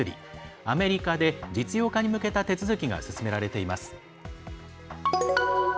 アメリカで実用化に向けた手続きが進められています。